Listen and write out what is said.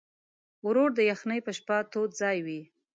ورور د یخنۍ په شپه تود ځای وي.